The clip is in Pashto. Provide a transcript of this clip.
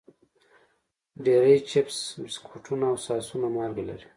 ډېری چپس، بسکټونه او ساسونه مالګه لري.